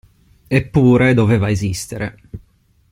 Eppure, doveva esistere.